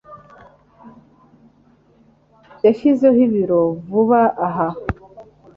Yashyizeho ibiro vuba aha.